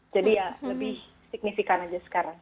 jadi ya lebih signifikan aja sekarang